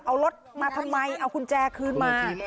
เอารถมาทำไมเอากุญแจคืนมา